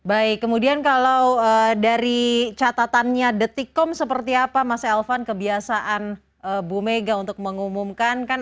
baik kemudian kalau dari catatannya detikkom seperti apa mas elvan kebiasaan bu mega untuk mengumumkan kan